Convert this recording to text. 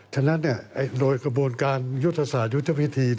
ฉะนั้นโดยกระบวนการยุทธศาสตร์ยุทธวิธี